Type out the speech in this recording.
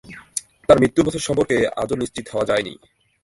তার মৃত্যুর বছর সম্পর্কে আজও নিশ্চিত হওয়া যায়নি।